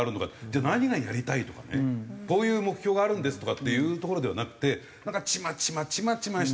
じゃあ「何がやりたい」とかね「こういう目標があるんです」とかっていうところではなくてなんかチマチマチマチマした。